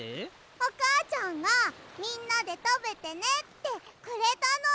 おかあちゃんがみんなでたべてねってくれたの！